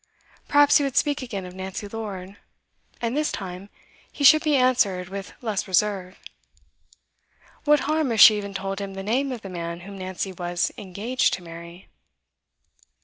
Perhaps he would speak again of Nancy Lord, and this time he should be answered with less reserve. What harm if she even told him the name of the man whom Nancy was 'engaged' to marry?